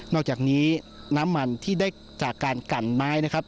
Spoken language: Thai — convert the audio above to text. อกจากนี้น้ำมันที่ได้จากการกันไม้นะครับ